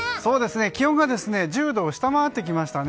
気温が１０度を下回ってきましたね。